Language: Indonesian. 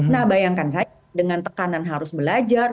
nah bayangkan saja dengan tekanan harus belajar